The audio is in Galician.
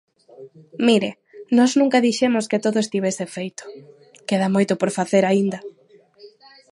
Mire, nós nunca dixemos que todo estivese feito, queda moito por facer aínda.